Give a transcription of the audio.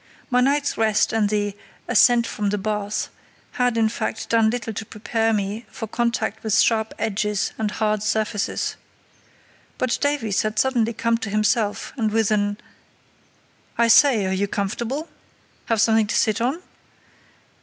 My night's rest and the "ascent from the bath" had, in fact, done little to prepare me for contact with sharp edges and hard surfaces. But Davies had suddenly come to himself, and with an "I say, are you comfortable? Have something to sit on?"